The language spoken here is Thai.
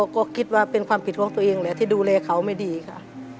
ก็คิดว่าเป็นความผิดของตัวเองแหละที่ดูแลเขาไม่ดีค่ะ